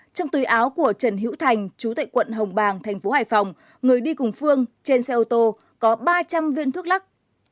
trong túi áo của trần hữu thành chú tại quận hồng bàng thành phố hải phòng người đi cùng phương trên xe ô tô có ba trăm linh viên thuốc lắc